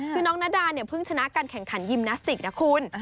คือน้องนาดาเนี่ยเพิ่งชนะการแข่งขันยิมนาสติกนะคุณ